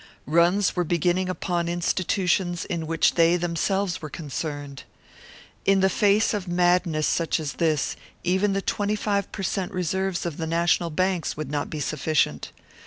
Runs were beginning upon institutions in which they themselves were concerned. In the face of madness such as this, even the twenty five per cent reserves of the national banks would not be sufficient.